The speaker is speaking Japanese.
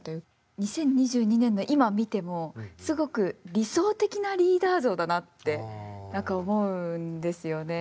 ２０２２年の今見てもすごく理想的なリーダー像だなって何か思うんですよね。